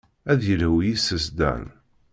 Ad d-yelhu yes-s Dan.